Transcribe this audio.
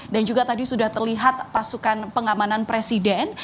dan juga tadi sudah terlihat pasukan pengamanan presiden